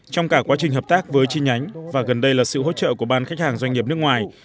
trong cả quá trình hợp tác với chi nhánh và gần đây là sự hỗ trợ của ban khách hàng doanh nghiệp nước ngoài